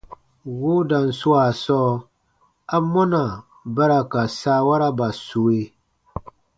Woodan swaa sɔɔ, amɔna ba ra ka saawaraba sue?